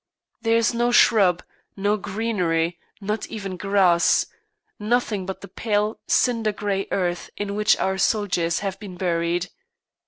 There is no shrub, no greenery, not even grass; nothing but the pale, cinder grey earth in which our soldiers have been buried.